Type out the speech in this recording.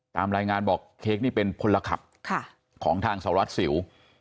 ตามรายงานบอกเค้กนี่เป็นพลขับของทางสารวัตรสิว